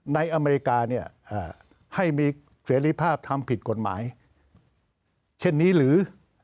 อเมริกาเนี่ยให้มีเสรีภาพทำผิดกฎหมายเช่นนี้หรือ